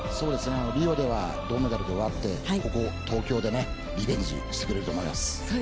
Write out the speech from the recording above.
リオでは銅メダルで終わってここ、東京でリベンジしてくれると思います。